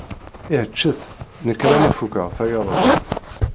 Ih ččet, nekk alemma fukeɣ tayerza.